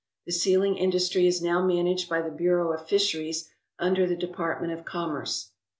The sealing industry is now managed by the Bureau of Fisheries under the Department of Commerce.